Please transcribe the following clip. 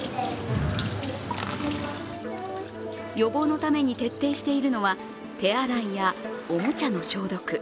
予防のために徹底しているのは手洗いや、おもちゃの消毒。